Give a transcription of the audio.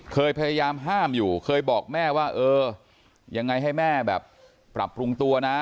พยายามห้ามอยู่เคยบอกแม่ว่าเออยังไงให้แม่แบบปรับปรุงตัวนะ